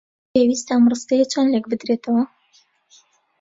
پێویستە ئەم ڕستەیە چۆن لێک بدرێتەوە؟